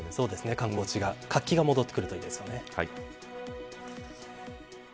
観光地に活気が戻ってくるといいですね。